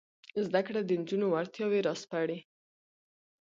زده کړه د نجونو وړتیاوې راسپړي.